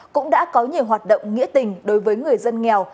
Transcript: cũng đã có nhiều hoạt động nghĩa tình đối với người dân nghèo